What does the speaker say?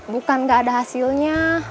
bukan gak ada hasilnya